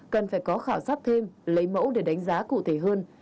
cần phải có khảo sát thêm lấy mẫu để đánh giá cụ thể hơn